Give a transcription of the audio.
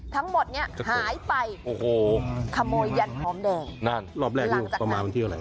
ทั้งหมดเนี้ยหายไปโอ้โหขโมยยัดหอมเดิมนั่นรอบแรกนี่ต่อมาที่อะไร